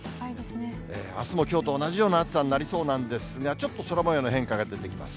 あすもきょうと同じような暑さになりそうなんですが、ちょっと空もようの変化が出てきます。